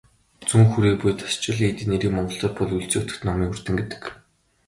Зүүн хүрээ буюу "Дашчойлин" хийдийн нэрийг монголоор бол "Өлзий хутагт номын хүрдэн" гэдэг.